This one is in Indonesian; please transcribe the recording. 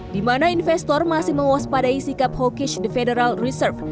di mana investor masih mewaspadai sikap hawkish the federal reserve